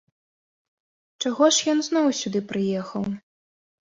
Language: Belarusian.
Чаго ж ён зноў сюды прыехаў?